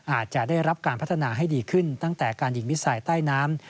อาจจะได้รับการพัฒนาให้ดีขึ้นตั้งแต่การยิงมิสไซด์ใต้น้ำ